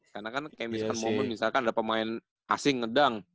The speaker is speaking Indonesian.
karena kan kayak misalkan momen misalkan ada pemain asing ngedang